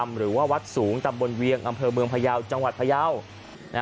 หรือว่าวัดสูงตำบลเวียงอำเภอเมืองพยาวจังหวัดพยาว